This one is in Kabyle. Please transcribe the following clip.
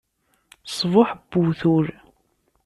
Ṣṣbuḥ n uwtul!